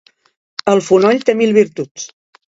El fonoll té mil virtuts.